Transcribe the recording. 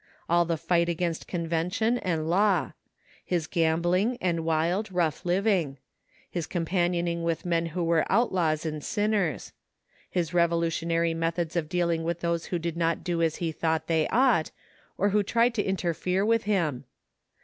All the fight against convention and law. His gambling and wild, rough living. His companioning with men who were outlaws and sinners. His revolutionary methods of dealing with those who did not do as he thought they ought, or who tried to interfere with him.